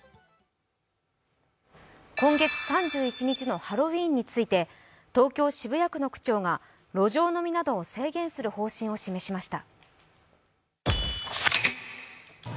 今月３１日のハロウィーンについて東京・渋谷区の区長が路上飲みなどを制限する方針を示しました。